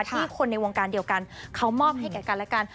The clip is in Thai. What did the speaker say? ที่คนในวงการเดียวกันเขามอบให้แก่กันและกัน